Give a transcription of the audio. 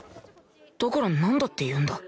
だからなんだっていうんだ